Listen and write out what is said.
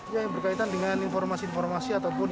ya berkaitan dengan hal tersebut